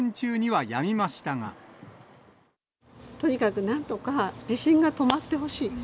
とにかくなんとか地震が止まってほしい。